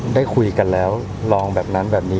ได้คุยกันแล้วลองแบบนั้นแบบนี้